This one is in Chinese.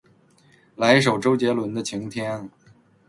来一首周杰伦的晴天